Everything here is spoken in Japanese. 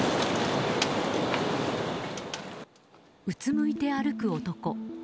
うつむいて歩く男。